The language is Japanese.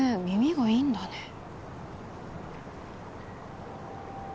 耳がいいんだね